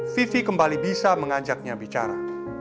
vivi kembali bisa mengajaknya bicara